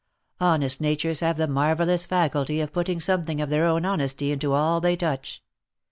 Honest natures have the marvellous faculty of putting something of their own honesty into all they touch.